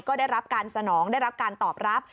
ก็ได้รับการสนองได้รับการตอบรับ